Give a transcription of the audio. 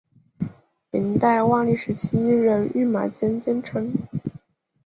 明代万历时期任御马监监丞。